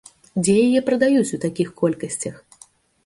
Дзе яе прадаюць у такіх колькасцях?